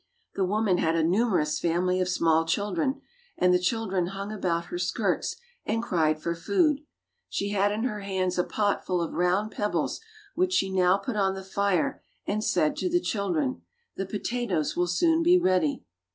The woman had a numerous family of small children, and the children hung about her skirts and cried for food. She had in her hands a pot full of round pebbles which she now put on the fire, and said to the children, "The potatoes will soon be ready."